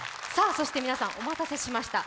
そして皆さん、お待たせしました。